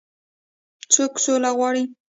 څوک سوله غواړي.